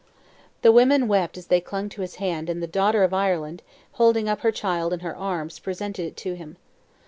The women wept as they clung to his hand and the daughter of Ireland, holding up her child in her arms, presented it to him.